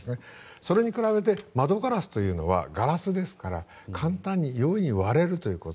それに比べて窓ガラスというのはガラスですから簡単に、容易に割れるということ。